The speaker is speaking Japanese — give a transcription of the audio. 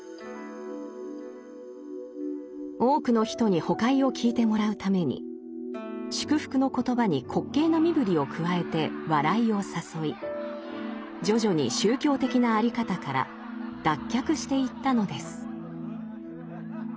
多くの人にほかひを聞いてもらうために祝福の言葉に滑稽な身ぶりを加えて「笑い」を誘い徐々に宗教的な在り方から脱却していったのです。